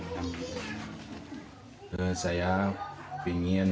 ia akan berhasil menjalankan dekade